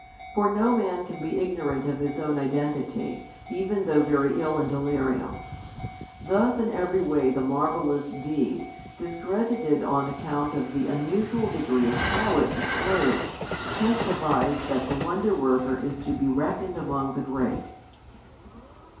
For no man can be ignorant of his own identity, even though very ill in delirium. Thus in every way the marvellous deed, discredited on account of the unusual degree of power it displayed, testifies that the Wonder worker is to be reckoned among the great.